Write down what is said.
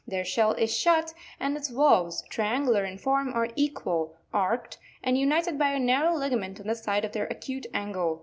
Their shell is shut, and its valves, triangular in form, are equal, arched and united by a narrow ligament on the side of their acute angle.